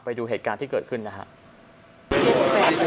ไปดูเหตุการณ์ที่เกิดขึ้นนะครับ